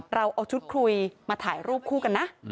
เราเอาชุดคุยมาถ่ายรูปคู่กันนะ